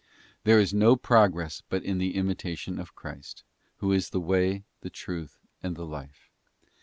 There is no progress but in the imitation of Christ, Who is the way, the truth, and the life.